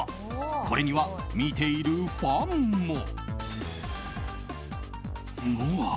これには見ているファンも。